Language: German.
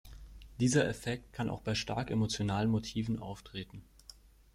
Dieser Effekt kann auch bei stark emotionalen Motiven auftreten.